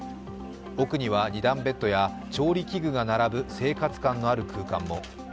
奥には２段ベッドや調理器具が並ぶ生活感のある空間も。